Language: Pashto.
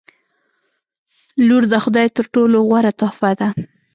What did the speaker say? • لور د خدای تر ټولو غوره تحفه ده.